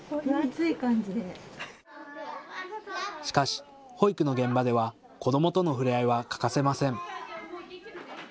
しかし保育の現場では子どもとの触れ合いは欠かせません。